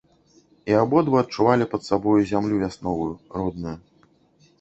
І абодва адчувалі пад сабою зямлю вясновую, родную.